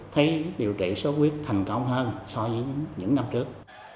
thấy điều trị sốt huyết thành công hơn so với những năm trước